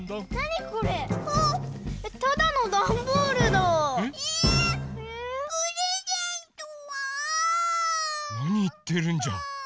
なにいってるんジャ。